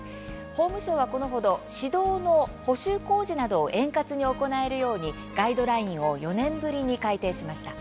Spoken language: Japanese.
法務省はこのほど私道の補修工事などを円滑に行えるようにガイドラインを４年ぶりに改訂しました。